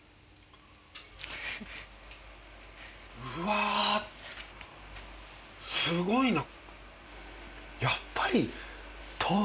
うわすごいな。